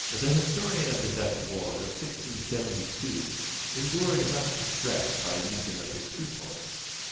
The historian of the Dutch war of 1672 endured much distress by reason of his truthfulness.